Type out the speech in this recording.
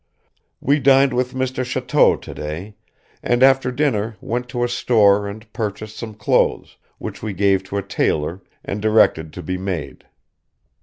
We dined with Mr. Chotoux to day and after dinner went to a store and purchased some clothes, which we gave to a taylor and derected to be made.